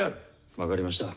分かりました。